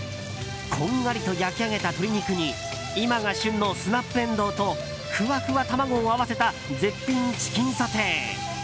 こんがりと焼き上げた鶏肉に今が旬のスナップエンドウとふわふわ卵を合わせた絶品チキンソテー。